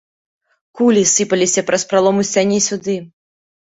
Кулі сыпаліся праз пралом у сцяне сюды.